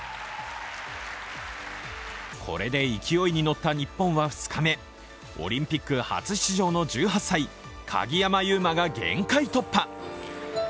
これで勢いに乗った日本は２日目、オリンピック初出場の１８歳、鍵山優真が限界突破。